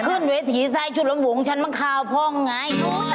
พอขึ้นเวทีซ้ายชุดลำบงฉันมันคราวพ่องไง